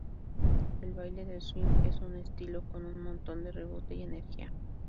El baile del swing es un estilo con un montón de rebote y energía.